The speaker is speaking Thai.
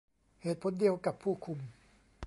เหตุผลเดียวกับผู้คุม